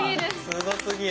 すごすぎる！